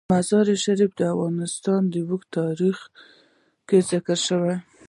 مزارشریف د افغانستان په اوږده تاریخ کې ذکر شوی دی.